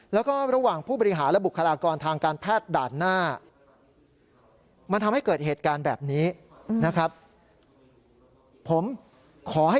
แล้วก็ระหว่างผู้บริหารและบุคลากรทางการแพทย์ด่านหน้า